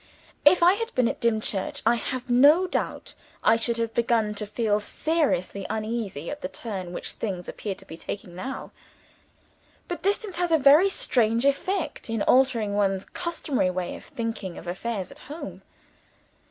If I had been at Dimchurch, I have no doubt I should have begun to feel seriously uneasy at the turn which things appeared to be taking now. But distance has a very strange effect in altering one's customary way of thinking of affairs at home.